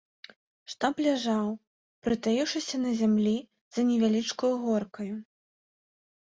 Штаб ляжаў, прытаіўшыся на зямлі, за невялічкаю горкаю.